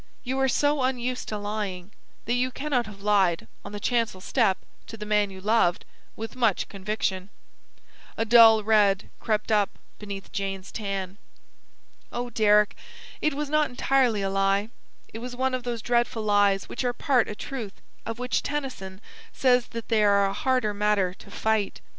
You are so unused to lying, that you cannot have lied, on the chancel step, to the man you loved, with much conviction." A dull red crept up beneath Jane's tan. "Oh, Deryck, it was not entirely a lie. It was one of those dreadful lies which are 'part a truth,' of which Tennyson says that they are 'a harder matter to fight.'"